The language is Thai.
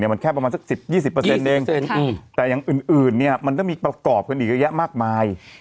มันแค่ประมาณซักสิบยี่สิบจนดังแต่อย่างอื่นมันก็มีประกอบขึ้นอีกหัวแยะมากมาย